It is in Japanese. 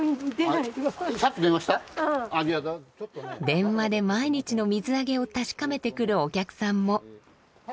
電話で毎日の水揚げを確かめてくるお客さんも。